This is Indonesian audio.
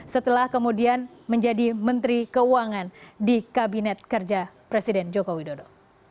setelah kemudian menjadi menteri keuangan di kabinet kerja presiden joko widodo